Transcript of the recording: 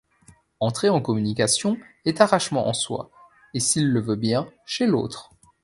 Entrer en communication est arrachement en soi, et s'il le veut bien, chez l'autre.